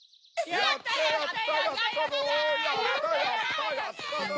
やったやった！